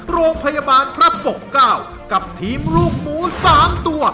โรงพยาบาลพระปกเก้ากับทีมลูกหมู๓ตัว